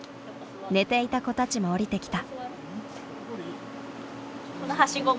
寝ていた子たちも降りてきた。